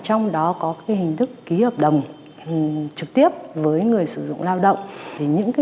trong đó có hình thức ký hợp đồng trực tiếp với người sử dụng lao động